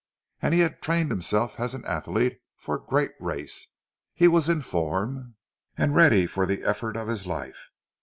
And he had trained himself as an athlete for a great race; he was in form, and ready for the effort of his life.